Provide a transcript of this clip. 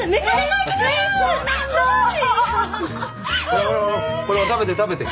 ほらほらほら食べて食べて。